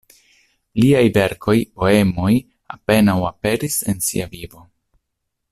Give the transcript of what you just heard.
Liaj verkoj, poemoj apenaŭ aperis en sia vivo.